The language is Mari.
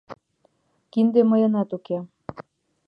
Кинде мыйынат уке.